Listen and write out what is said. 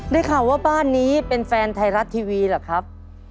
ได้ข่าวว่าบ้านนี้เป็นแฟนไทยรัฐทีวีเหรอครับ